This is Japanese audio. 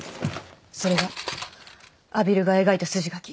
それが阿比留が描いた筋書き。